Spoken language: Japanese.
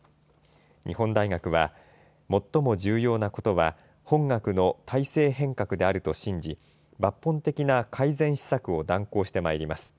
日本大学は、最も重要なことは、本学の体制変革であると信じ、抜本的な改善施策を断行してまいります。